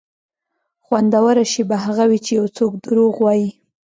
خوندوره شېبه هغه وي چې یو څوک دروغ وایي.